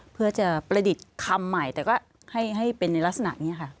เพื่อจะประดิษฐ์คำใหม่แต่ก็ให้เป็นในลักษณะนี้ค่ะ